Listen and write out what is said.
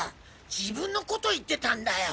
自分の事言ってたんだよ。